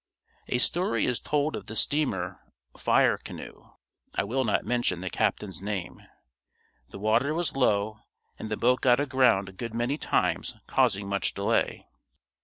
A story is told of the steamer, "Fire Canoe." (I will not mention the captain's name.) The water was low and the boat got aground a good many times causing much delay.